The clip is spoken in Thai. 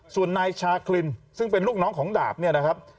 ส่วนนายชาคลินซึ่งเป็นลูกน้องของดาบเนี่ยนะครับ